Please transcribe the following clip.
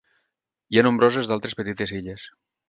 Hi ha nombroses d'altres petites illes.